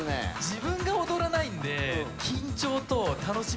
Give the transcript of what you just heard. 自分が踊らないんでさあ